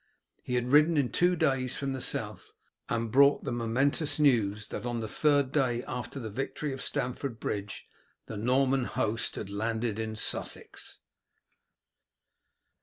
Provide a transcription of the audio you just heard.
He had ridden in two days from the South, and brought the momentous news that on the third day after the victory of Stamford Bridge the Norman host had landed in Sussex.